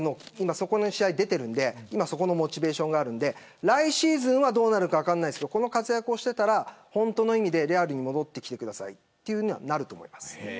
そこの試合に出ていてそのモチベーションがあるんで来シーズンはどうなるか分かりませんがこの活躍をしていたら本当の意味で、レアルに戻ってくださいということにはなると思います。